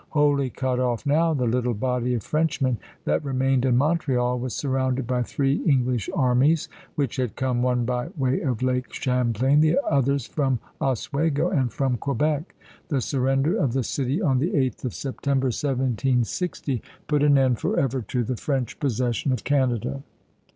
Wholly cut off now, the little body of Frenchmen that remained in Montreal was surrounded by three English armies, which had come, one by way of Lake Champlain, the others from Oswego and from Quebec. The surrender of the city on the 8th of September, 1760, put an end forever to the French possession of Canada.